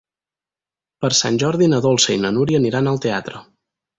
Per Sant Jordi na Dolça i na Núria aniran al teatre.